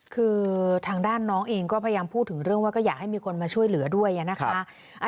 คือทางด้านน้องเองก็พยายามพูดถึงเรื่องว่าก็อยากให้มีคนมาช่วยเหลือด้วยนะคะ